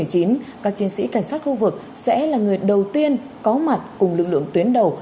các chiến sĩ cảnh sát khu vực sẽ là người đầu tiên có mặt cùng lực lượng tuyến đầu